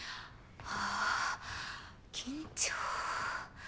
あぁ緊張。